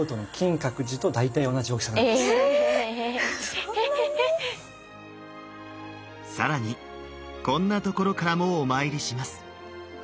そんなに⁉更にこんなところからもお参りします。